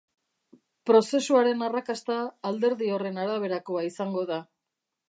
Prozesuaren arrakasta alderdi horren araberakoa izango da.